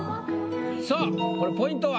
これポイントは？